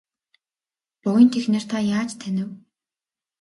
Буянт эхнэр та яаж танив?